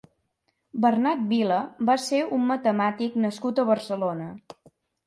Bernat Vila va ser un matemàtic nascut a Barcelona.